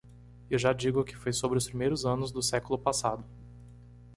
Eu já digo que foi sobre os primeiros anos do século passado.